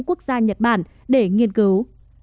quốc gia nhật bản để nghiên cứu